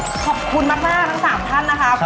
ขอบคุณมากทั้ง๓ท่านนะคะ